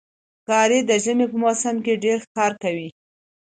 ښکاري د ژمي په موسم کې ډېر ښکار کوي.